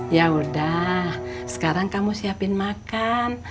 yaudah sekarang kamu siapin makan